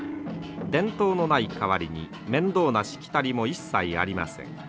伝統のない代わりに面倒なしきたりも一切ありません。